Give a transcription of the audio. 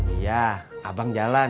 iya abang jalan